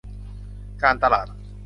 การตลาด